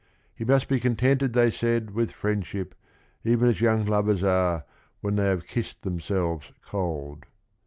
He must be contented, they said, with friendship, even as young lovers are, when they have kissed themselves cold.